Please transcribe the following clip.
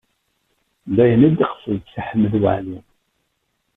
D ayen ay d-yeqsed Si Ḥmed Waɛli.